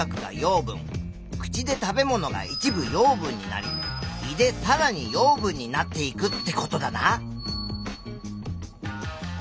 口で食べ物が一部養分になり胃でさらに養分になっていくってことだな。